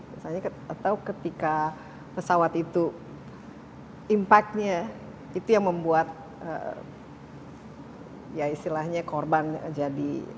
misalnya atau ketika pesawat itu impactnya itu yang membuat ya istilahnya korban jadi